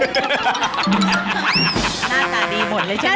หน้าตาดีหมดเลยใช่ไหม